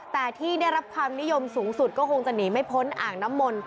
แต่ที่ได้รับความนิยมสูงสุดก็คงจะหนีไม่พ้นอ่างน้ำมนต์